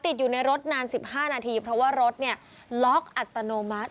ติดอยู่ในรถนาน๑๕นาทีเพราะว่ารถเนี่ยล็อกอัตโนมัติ